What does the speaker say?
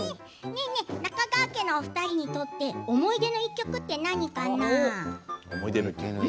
中川家のお二人にとって思い出の１曲って何かな？